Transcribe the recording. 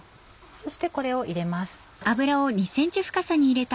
そしてこれを入れます。